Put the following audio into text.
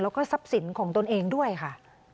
แล้วก็ทรัพย์สินของตนเองด้วยค่ะ